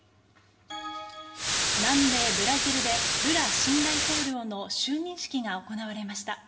南米ブラジルでルラ新大統領の就任式が行われました。